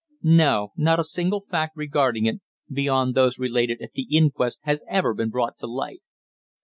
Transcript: "No. Not a single fact regarding it, beyond those related at the inquest, has ever been brought to light."